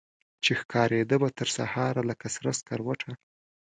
چي ښکاریده به ترسهاره لکه سره سکروټه